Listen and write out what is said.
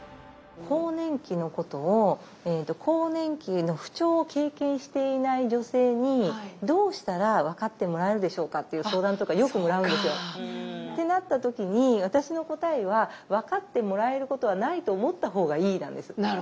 更年期のことを更年期の不調を経験していない女性にどうしたら分かってもらえるでしょうかっていう相談とかよくもらうんですよ。ってなった時に私の答えは「分かってもらえることはないと思った方がいい」なんです。